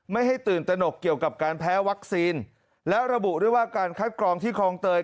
ไม่ให้ตื่นตนกเกี่ยวกับการแพ้วัคซีนแล้วระบุด้วยว่าการคัดกรองที่คลองเตย